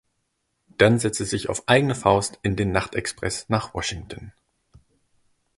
Dann setzt er sich auf eigene Faust in den Nachtexpress nach Washington.